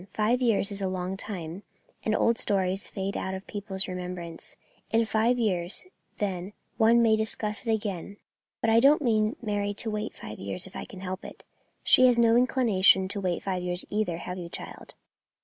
Five years is a long time, and old stories fade out of people's remembrance. In five years, then, one may discuss it again; but I don't mean Mary to wait five years if I can help it, and she has no inclination to wait five years either, have you, child?"